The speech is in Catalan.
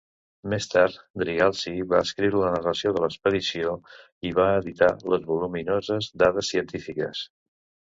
Més tard, Drygalski va escriure la narració de l'expedició i va editar les voluminoses dades científiques.